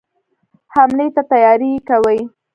حملې ته تیاری کوي.